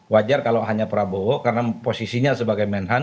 wajar kalau hanya prabowo karena posisinya sebagai menhan